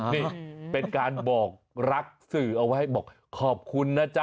นี่เป็นการบอกรักษออว่าบอกขอบคุณนะจ๊ะ